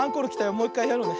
もういっかいやろうね。